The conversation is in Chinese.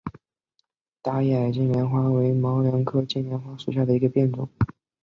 大叶矮金莲花为毛茛科金莲花属下的一个变种。